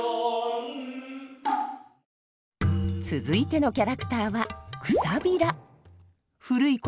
続いてのキャラクターは茸。